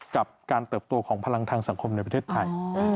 กับการเติบโตของพลังทางสังคมในประเทศไทย